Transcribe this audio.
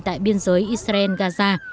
tại biên giới israel gaza